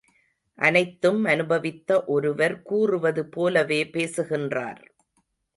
அனைத்தும் அனுபவித்த ஒருவர் கூறுவது போலவே பேசுகின்றார்.